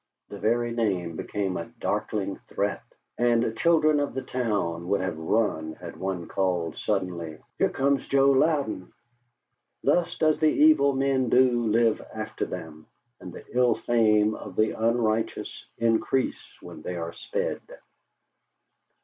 The very name became a darkling threat, and children of the town would have run had one called suddenly, "HERE COMES JOE LOUDEN!" Thus does the evil men do live after them, and the ill fame of the unrighteous increase when they are sped!